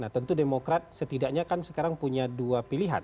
nah tentu demokrat setidaknya kan sekarang punya dua pilihan